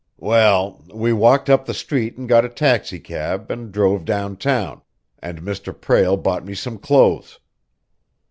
"Well, we walked up the street and got a taxicab and drove downtown, and Mr. Prale bought me some clothes."